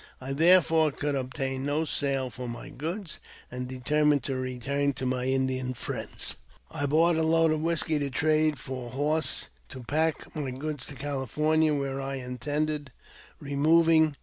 I therefore could obtain no sale for my goods, and determined to return to my Indian friends. I bought a load of whisky to trade for horses to pack my goods to California, where I intended removing.